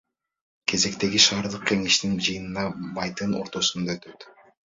Кезектеги шаардык кеңештин жыйыны майдын ортосунда өтөт.